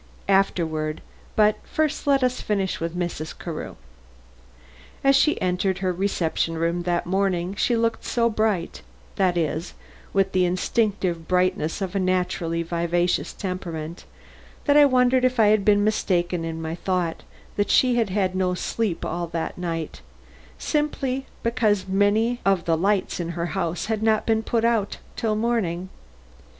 Afterward but first let us finish with Mrs. Carew. As she entered her reception room that morning she looked so bright that is, with the instinctive brightness of a naturally vivacious temperament that I wondered if I had been mistaken in my thought that she had had no sleep all that night, simply because many of the lights in her house had not been put out till morning.